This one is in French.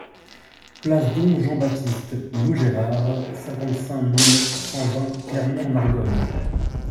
Place Dom Jean-Baptiste Maugérard, cinquante-cinq mille cent vingt Clermont-en-Argonne